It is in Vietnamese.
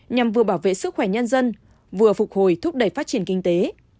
nhằm vừa bảo vệ sức khỏe nhân dân vừa phục hồi thúc đẩy phát triển kinh tế